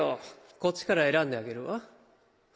こっちから選んであげるわ。